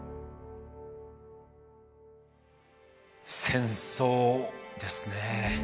戦争ですね。